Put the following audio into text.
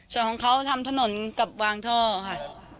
ส่วนของเขาทำถนนกับวางท่อค่ะ